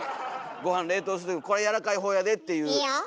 ごはん冷凍するとき「これやわらかいほうやで」っていう。